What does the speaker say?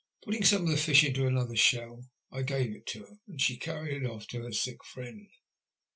Putting some of the fish into another shell, I gave it to her, and she carried it off to her sick friend.